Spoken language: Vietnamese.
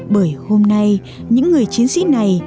bởi hôm nay những người chiến sĩ này